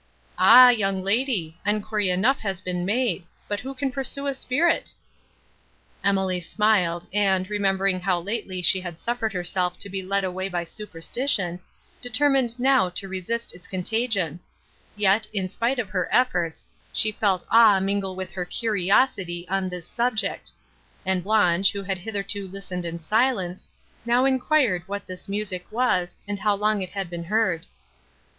"Ah, young lady! enquiry enough has been made—but who can pursue a spirit?" Emily smiled, and, remembering how lately she had suffered herself to be led away by superstition, determined now to resist its contagion; yet, in spite of her efforts, she felt awe mingle with her curiosity, on this subject; and Blanche, who had hitherto listened in silence, now enquired what this music was, and how long it had been heard.